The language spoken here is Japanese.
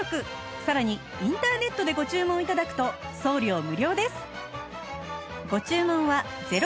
さらにインターネットでご注文頂くと送料無料です